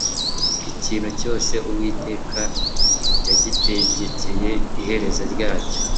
ikintu cyose uwiteka yagitegekeye iherezo ryacyo